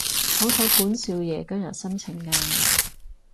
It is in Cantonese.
好彩本少爺今日心情靚